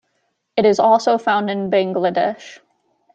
It is also found in Bangladesh.